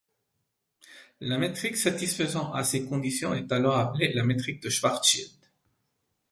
La métrique satisfaisant à ces conditions est alors appelée la métrique de Schwarzschild.